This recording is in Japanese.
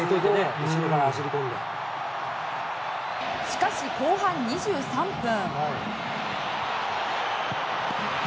しかし、後半２３分。